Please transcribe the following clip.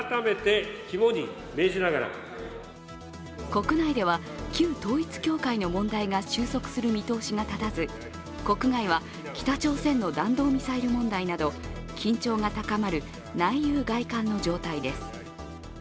国内では旧統一教会の問題が収束する見通しが立たず、国外は、北朝鮮の弾道ミサイル問題など緊張が高まる内憂外患の状態です。